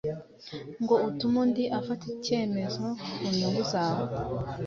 ngo utume undi afata ikemezo ku nyungu zawe,